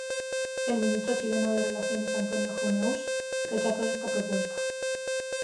El ministro chileno de relaciones Antonio Huneeus, rechazó esta propuesta.